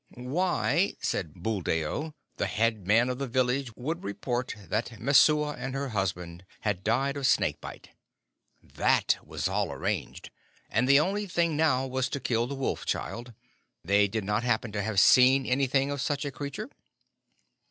Why, said Buldeo, the head man of the village would report that Messua and her husband had died of snake bite. That was all arranged, and the only thing now was to kill the Wolf child. They did not happen to have seen anything of such a creature?